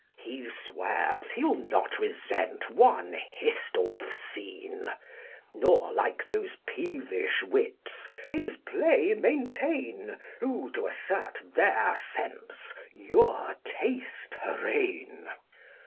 He swears he'll not resent one hissed off scene, Nor, like those peevish wits, his play maintain, Who, to assert their sense, your taste arraign.